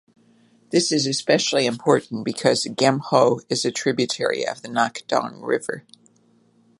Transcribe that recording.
This is especially important because the Geumho is a tributary of the Nakdong river.